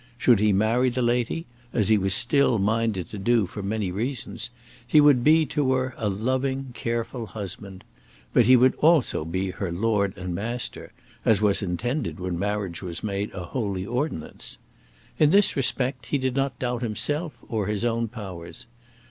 Should he marry the lady, as he was still minded to do for many reasons, he would be to her a loving, careful husband; but he would also be her lord and master, as was intended when marriage was made a holy ordinance. In this respect he did not doubt himself or his own powers.